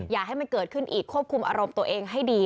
อย่าให้มันเกิดขึ้นอีกควบคุมอารมณ์ตัวเองให้ดี